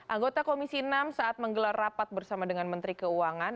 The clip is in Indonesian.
anggota komisi enam saat menggelar rapat bersama dengan menteri keuangan